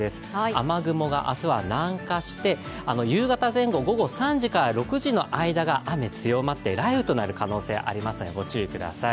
雨雲が明日は南下して、夕方前後、３時から６時ぐらいの間が雨強まって雷雨となる可能性ありますのでご注意ください。